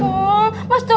terima kasih ya pak